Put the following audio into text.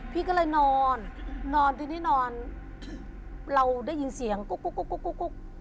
พี่ก็เลยนอนนอนตรงนี้นอนเราได้ยินเสียงกุ๊กกุ๊กกุ๊กกุ๊กกุ๊ก